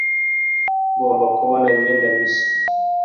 ngomba kubona imyenda mishya